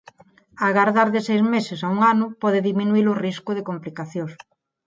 Agardar de seis meses a un ano pode diminuír o risco de complicacións.